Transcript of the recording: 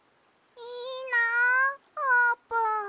いいなあーぷん。